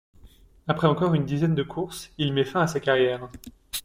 Après encore une dizaine de courses, il met fin à sa carrière.